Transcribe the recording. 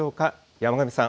山神さん。